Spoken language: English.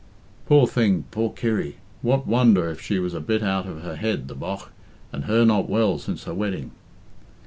"Poor thing, poor Kirry! What wonder if she was a bit out of her head, the bogh, and her not well since her wedding?"